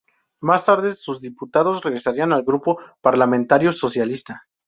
Más tarde sus diputados regresarían al Grupo Parlamentario socialista.